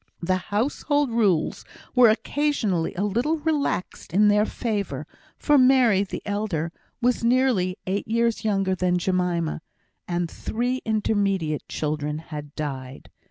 The household rules were occasionally a little relaxed in their favour, for Mary, the elder, was nearly eight years younger than Jemima, and three intermediate children had died.